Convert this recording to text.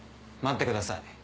待ってください。